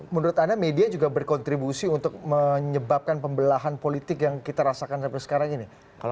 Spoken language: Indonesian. menurut anda media juga berkontribusi untuk menyebabkan pembelahan politik yang kita rasakan sampai sekarang ini